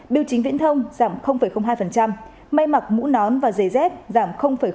biểu chính viễn thông giảm hai mây mặc mũ nón và dề dép giảm một